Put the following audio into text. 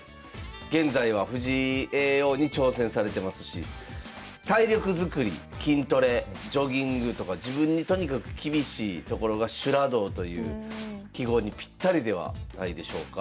現在は藤井叡王に挑戦されてますし体力づくり筋トレジョギングとか自分にとにかく厳しいところが修羅道という揮毫にぴったりではないでしょうか。